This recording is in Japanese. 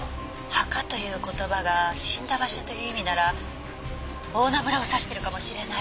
「墓という言葉が死んだ場所という意味なら大菜村を指してるかもしれない」